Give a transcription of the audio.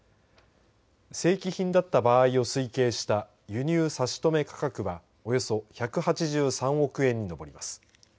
正規品だった場合を推計した輸入差止価格はおよそ１８３億円に上ります。